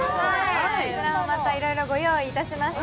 こちらもまた、いろいろご用意しました。